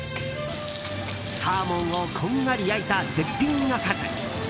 サーモンをこんがり焼いた絶品おかず。